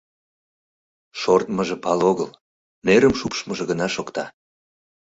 Шортмыжо пале огыл, нерым шупшмыжо гына шокта.